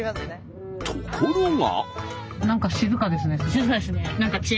ところが。